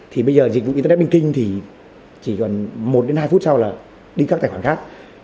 thì bây giờ dịch vụ internet banking thì chỉ còn một đến hai phút sau là đi các tài khoản khác